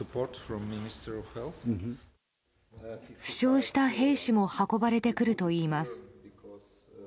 負傷した兵士も運ばれてくるといいます。